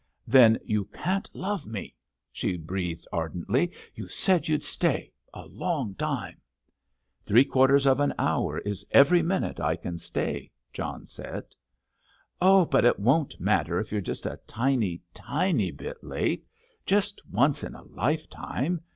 "Then you can't love me," she breathed ardently. "You said you'd stay—a long time." "Three quarters of an hour is every minute I can stay," John said. "Oh, but it won't matter if you're just a tiny, tiny bit late—just once in a lifetime!